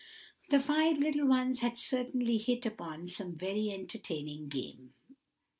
The five little ones had certainly hit upon some very entertaining game.